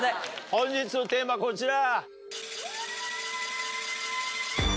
本日のテーマこちら。